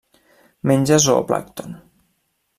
Menja zooplàncton.